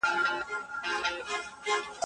ده پښتو د نورو ژبو سره سیالي کې ولاړه کړه